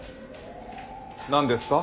何ですか？